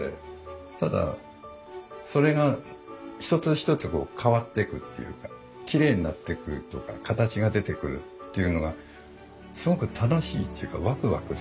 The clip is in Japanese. ただそれが一つ一つ変わってくっていうかきれいになってくとか形が出てくるっていうのがすごく楽しいっていうかワクワクするというか。